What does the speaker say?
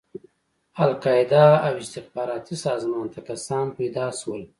القاعده او استخباراتي سازمان ته کسان پيدا شول.